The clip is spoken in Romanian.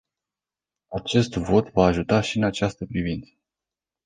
Acest vot va ajuta și în această privință.